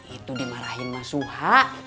itu dimarahin mas suha